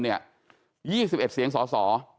๒๑เสียงสส